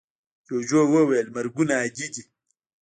جوجو وویل مرگونه عادي دي.